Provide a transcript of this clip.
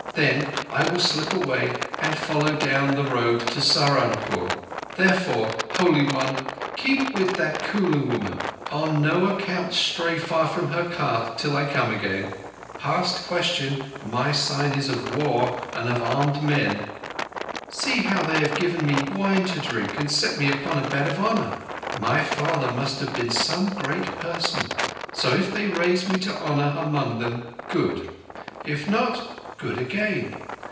Then I will slip away and follow down the road to Saharunpore. Therefore, Holy One, keep with that Kulu woman—on no account stray far from her cart till I come again. Past question, my sign is of War and of armed men. See how they have given me wine to drink and set me upon a bed of honour! My father must have been some great person. So if they raise me to honour among them, good. If not, good again.